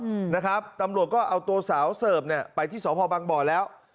อืมนะครับตำรวจก็เอาตัวสาวเสิร์ฟเนี้ยไปที่สพบังบ่อแล้ว